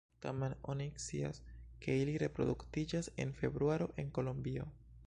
Tamen oni scias, ke ili reproduktiĝas en februaro en Kolombio.